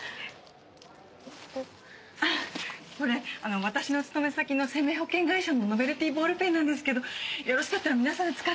あっこれ私の勤め先の生命保険会社のノベルティーボールペンなんですけどよろしかったら皆さん使ってください。